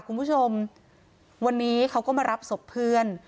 คุณผู้ชมวันนี้เขาก็มารับศพเพื่อน